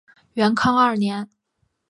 元康二年。